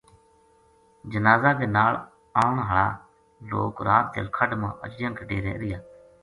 جنازہ کے نال آن ہالا لوک رات جلکھڈ ما اجڑیاں کے ڈیرے رہیا